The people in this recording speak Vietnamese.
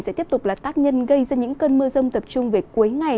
sẽ tiếp tục là tác nhân gây ra những cơn mưa rông tập trung về cuối ngày